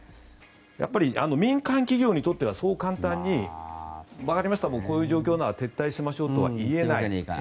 やっぱり民間企業にとってはそう簡単にわかりました、こういう状況なら撤退しますと言えない